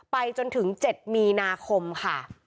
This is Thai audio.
ไปจนถึง๗มีนาคมค่ะ